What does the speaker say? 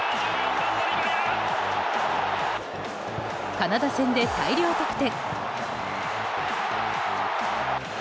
カナダ戦で大量得点。